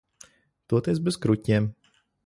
Toties bez kruķiem.